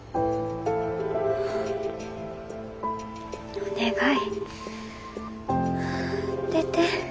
お願い出て。